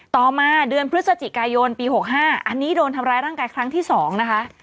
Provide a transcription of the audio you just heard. ต่อมาเดือนพฤศจิกายนปี๖๕อันนี้โดนทำร้ายร่างกายครั้งที่๒นะคะ